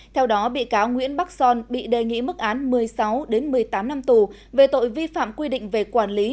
theo đó bị cáo nguyễn bắc son bị đề nghị mức án một mươi sáu một mươi tám năm tù về tội vi phạm quy định về quản lý